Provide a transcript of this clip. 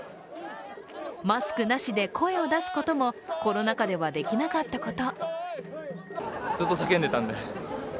マスクなしで声を出すこともコロナ禍ではできなかったこと。